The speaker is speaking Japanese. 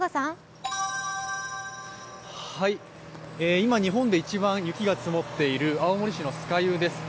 今日本で一番雪が積もっている青森市の酸ヶ湯です。